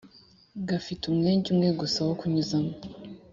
gafite umwenge umwe gusa wo kunyuzamo